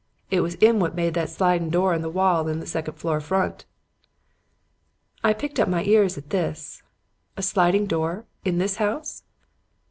It was 'im what made that slidin' door in the wall in the second floor front.' "I pricked up my ears at this. 'A sliding door? In this house?'